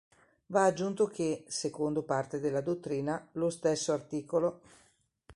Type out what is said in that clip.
Va aggiunto che, secondo parte della dottrina, lo stesso art.